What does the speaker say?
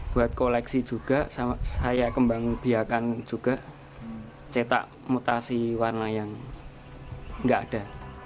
buat koleksi juga saya kembang biakan juga cetak mutasi warna yang nggak ada